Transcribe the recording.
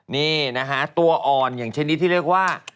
นี่นะฮะตัวอ่อนอย่างชนิดที่เรียกว่า